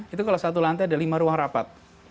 itu kalau satu lantai ada lima ruang rapat